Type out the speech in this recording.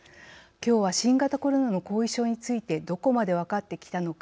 きょうは新型コロナの後遺症についてどこまで分かってきたのか